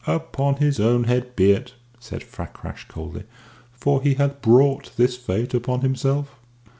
"Upon his own head be it," said Fakrash, coldly. "For he hath brought this fate upon himself."